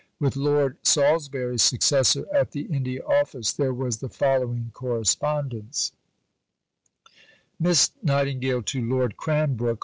With Lord Salisbury's successor at the India Office there was the following correspondence: (_Miss Nightingale to Lord Cranbrook.